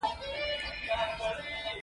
بدرنګه خوی د شر ښکارندویي کوي